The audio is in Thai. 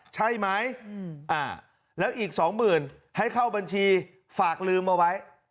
ใช่ไหมแล้วอีก๒๐๐๐ให้เข้าบัญชีฝากลืมเอาไว้